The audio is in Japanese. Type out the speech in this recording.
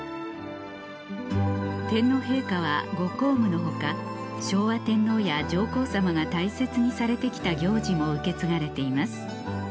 天皇陛下はご公務の他昭和天皇や上皇さまが大切にされて来た行事も受け継がれています